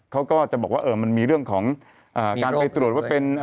เขาก็จะบอกว่ามันมีเรื่องของการไปตรวจว่าเป็น